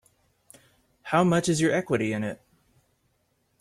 How much is your equity in it?